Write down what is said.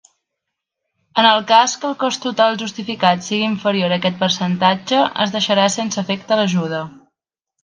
En el cas que el cost total justificat siga inferior a aquest percentatge, es deixarà sense efecte l'ajuda.